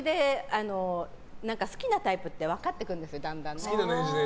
好きなタイプが分かってくるんです、だんだんね。